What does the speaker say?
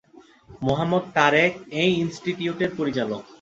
মোহাম্মদ তারেক এই ইনস্টিটিউটের পরিচালক।